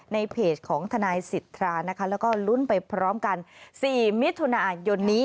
ในเพจของทนายสิทธานะคะแล้วก็ลุ้นไปพร้อมกัน๔มิถุนายนนี้